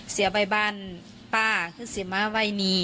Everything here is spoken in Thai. เสียใบบ้านป้าเสียไม้ว่ายณี